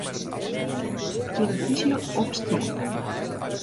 Tillefyzje op stil.